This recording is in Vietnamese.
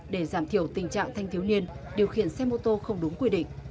để giảm thiểu tình trạng thanh thiếu niên điều khiển xe mô tô không đúng quyền